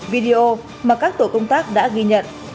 video mà các tổ công tác đã ghi nhận